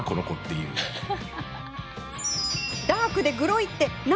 ダークでグロいって何？